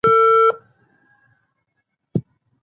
امپرياليزم طبقه ،رياليزم طبقه او داسې نورې طبقې شته .